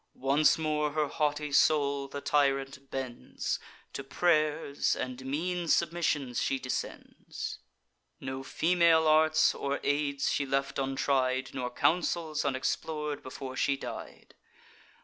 Once more her haughty soul the tyrant bends: To pray'rs and mean submissions she descends. No female arts or aids she left untried, Nor counsels unexplor'd, before she died.